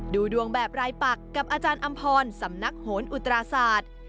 ดูดวงแบบรายปักกับอาจารย์อำพรสำนักโหนอุตราศาสตร์